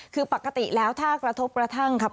คือปกติแล้วถ้ากระทบกระทั่งครับ